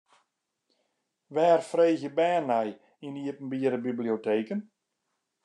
Wêr freegje bern nei yn iepenbiere biblioteken?